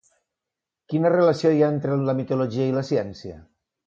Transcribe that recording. Quina relació hi ha entre la mitologia i la ciència?